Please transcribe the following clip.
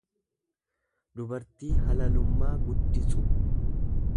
dubartii halalummaa gudditsu.